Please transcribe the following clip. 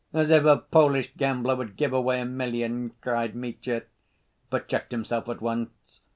"As if a Polish gambler would give away a million!" cried Mitya, but checked himself at once.